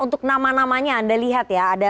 untuk nama namanya anda lihat ya